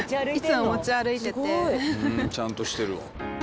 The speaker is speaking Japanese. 「ふんちゃんとしてるわ」